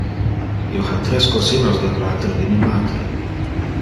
Io ha tres cosinos del latere de mi matre.